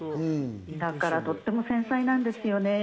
だからとっても繊細なんですよね。